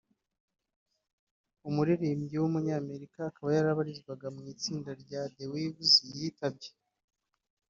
umuririmbyi w’umunyamerika akaba yarabarizwaga mu itsinda rya The Weavers yitabye